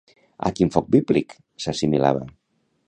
A quin foc bíblic s'assimilava?